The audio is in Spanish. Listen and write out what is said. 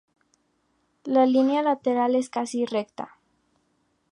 La línea lateral es casi recta.